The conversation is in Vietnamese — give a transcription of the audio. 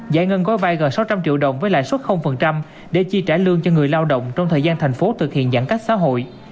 giải ngân gói vai gần sáu trăm linh triệu đồng với lãi suất để chi trả lương cho người lao động trong thời gian thành phố thực hiện giãn cách xã hội